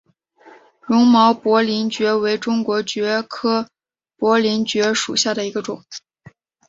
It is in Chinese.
绒毛薄鳞蕨为中国蕨科薄鳞蕨属下的一个种。